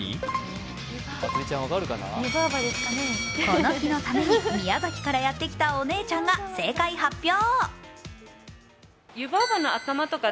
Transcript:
この日のために宮崎からやってきたお姉ちゃんが正解発表。